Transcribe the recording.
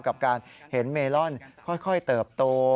กับการเห็นเมลอนค่อยเติบโต